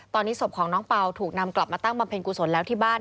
ตอนนี้ศพของน้องเปล่าถูกนำกลับมาตั้งบำเพ็ญกุศลแล้วที่บ้าน